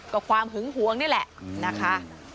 ก็ความหึงหวงนี่แหละนะคะ